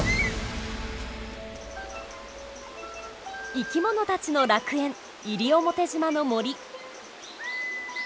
生き物たちの楽園西表島の森。